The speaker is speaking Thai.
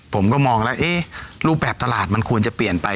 ผมก็มองแล้วรูปแบบตลาดมันควรจะเปลี่ยนไป